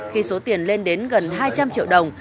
khi số tiền lên đến gần hai trăm linh triệu đồng